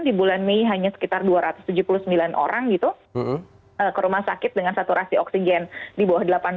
di bulan mei hanya sekitar dua ratus tujuh puluh sembilan orang gitu ke rumah sakit dengan saturasi oksigen di bawah delapan puluh